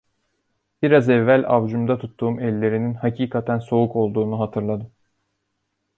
Biraz evvel avcumda tuttuğum ellerinin hakikaten soğuk olduğunu hatırladım.